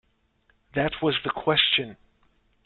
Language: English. That was the question.